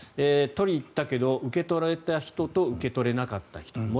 取りに行ったけど受け取れた人と受け取れなかった人。